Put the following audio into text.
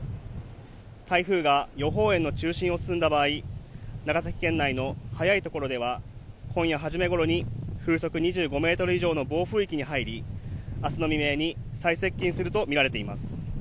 台風が予報円の中心を進んだ場合長崎県内の早いところでは今夜初めごろに風速２５メートル以上の暴風域に入りあすの未明に最接近すると見られています